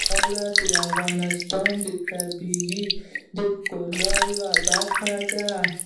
واوره د افغانستان د طبیعت د ښکلا یوه برخه ده.